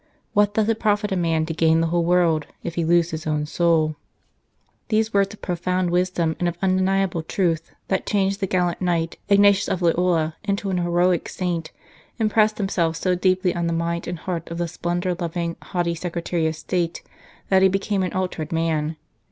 What doth it profit a man to gain the whole world, if he lose his own soul ?" These words of profound wisdom and of un deniable truth, that changed the gallant knight, Ignatius of Loyola, into an heroic saint, impressed themselves so deeply on the mind and heart of the splendour loving, haughty Secretary of State that he became an altered man.